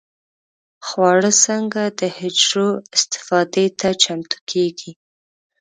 خواړه څنګه د حجرو استفادې ته چمتو کېږي؟